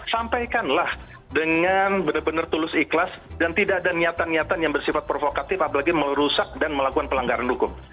sampaikanlah dengan benar benar tulus ikhlas dan tidak ada niatan niatan yang bersifat provokatif apalagi merusak dan melakukan pelanggaran hukum